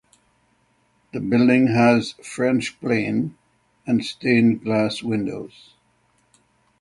The building has French plane and stained glass windows.